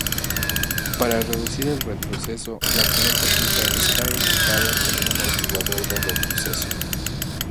Para reducir el retroceso, la culata fija está equipada con un amortiguador de retroceso.